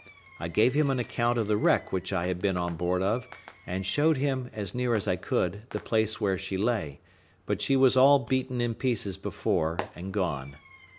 I gave him an account of the wreck which I had been on board of, and showed him, as near as I could, the place where she lay; but she was all beaten in pieces before, and gone.